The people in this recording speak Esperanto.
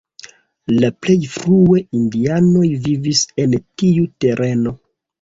La plej frue indianoj vivis en tiu tereno.